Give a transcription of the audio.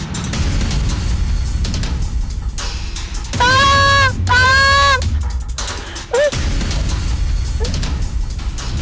pak pak pak pak pak